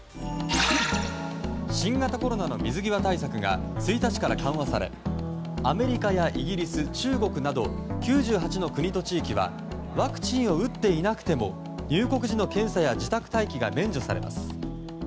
新型コロナの水際対策が１日から緩和されアメリカやイギリス、中国など９８の国と地域はワクチンを打っていなくても入国時の検査や自宅待機が免除されます。